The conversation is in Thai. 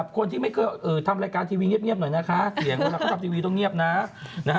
คนที่ไม่เคยทำรายการทีวีเงียบหน่อยนะคะเสียงเวลาเขาทำทีวีต้องเงียบนะ